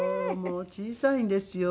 小さいんですよ。